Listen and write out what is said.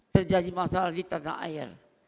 terjadi masalah di tanah air